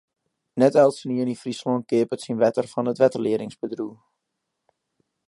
Net eltsenien yn Fryslân keapet syn wetter fan it wetterliedingbedriuw.